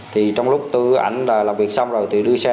thì trong lúc tôi với ảnh làm việc xong rồi tôi đưa xe